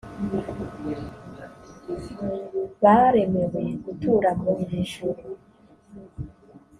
baremewe gutura mu ijuru